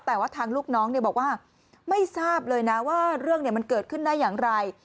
แต่ว่าทางลูกน้องบอกว่าไม่ทราบเลยนะว่าเรื่องมันเกิดขึ้นได้อย่างไร